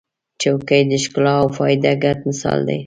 چوکۍ د ښکلا او فایده ګډ مثال دی.